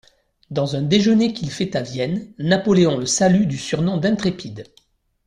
Dans un déjeuner qu'il fait à Vienne, Napoléon le salue du surnom d'intrépide.